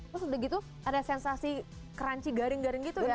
terus udah gitu ada sensasi crunchy garing garing gitu ya